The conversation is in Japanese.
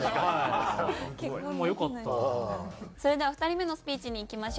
それでは２人目のスピーチにいきましょう。